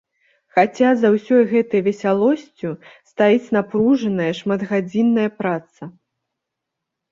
Хаця за ўсёй гэтай весялосцю стаіць напружаная, шматгадзінная праца.